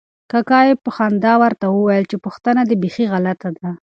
کاکا یې په خندا ورته وویل چې پوښتنه دې بیخي غلطه ده.